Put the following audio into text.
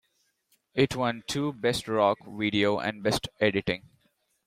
It won two, Best Rock Video and Best Editing.